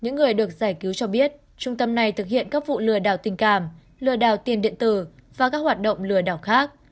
những người được giải cứu cho biết trung tâm này thực hiện các vụ lừa đảo tình cảm lừa đảo tiền điện tử và các hoạt động lừa đảo khác